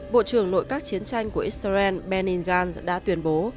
bộ trưởng nội các chiến tranh của israel benin gans đã tuyên bố